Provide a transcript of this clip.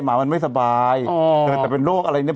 หมามันไม่สบายเกิดแต่เป็นโรคอะไรเนี่ย